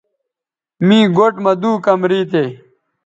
می گوٹھ مہ دُو کمرے تھے